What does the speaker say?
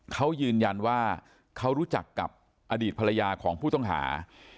เขายืนยันว่าเขารู้จักกับอดีตภรรยาของผู้ต้องหา